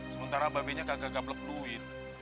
sementara babenya kagak kagak plek duit